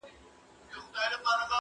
• زه پخپلو وزرونو د تیارې پلو څیرمه -